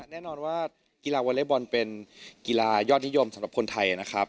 แน่นอนว่ากีฬาวอเล็กบอลเป็นกีฬายอดนิยมสำหรับคนไทยนะครับ